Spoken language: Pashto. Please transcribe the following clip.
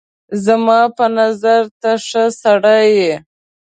زما په نظر ته ښه سړی یې